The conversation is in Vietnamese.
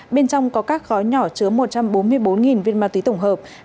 bên trong có các gói nhỏ chứa một trăm bốn mươi bốn viên ma túy tổng hợp